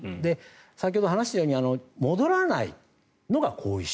先ほど話したように戻らないのが後遺症。